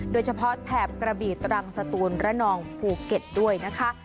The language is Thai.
แถบกระบีตรังสตูนระนองภูเก็ตด้วยนะคะ